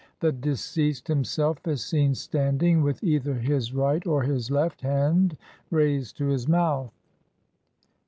33) the deceased himself is seen standing with either his right or his left hand raised to his mouth.